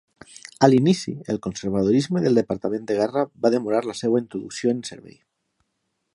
A l'inici, el conservadorisme del Departament de Guerra va demorar la seva introducció en servei.